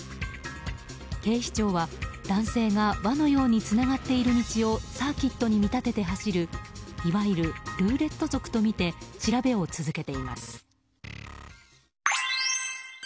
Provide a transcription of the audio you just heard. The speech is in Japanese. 警視庁は男性が輪のようにつながっている道をサーキットに見立てて走るいわゆるルーレット族とみて調べを続けています。